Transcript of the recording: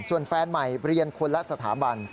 ส่วนแฟนใหม่เรียนคนละสถาบัน